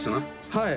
はい。